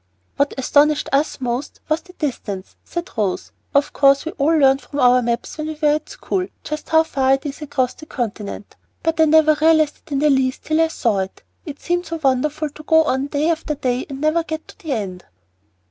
"What astonished us most was the distance," said Rose. "Of course we all learned from our maps, when we were at school, just how far it is across the continent; but I never realized it in the least till I saw it. It seemed so wonderful to go on day after day and never get to the end!"